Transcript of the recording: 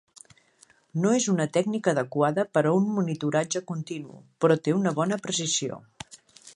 No és una tècnica adequada per a un monitoratge continu però té una bona precisió.